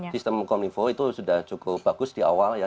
sistem kominfo itu sudah cukup bagus di awal ya